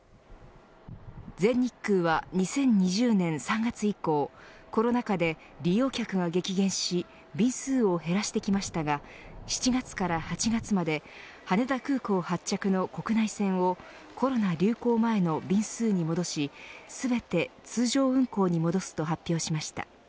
全日空は２０２０年３月以降コロナ禍で利用客が激減し便数を減らしてきましたが７月から８月まで羽田空港発着の国内線をコロナ流行前の便数に戻し全て通常運航に戻すと発表しました。